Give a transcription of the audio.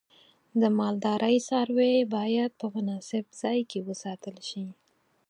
د مالدارۍ څاروی باید په مناسب ځای کې وساتل شي.